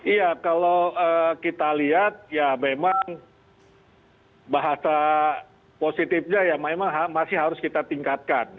iya kalau kita lihat ya memang bahasa positifnya ya memang masih harus kita tingkatkan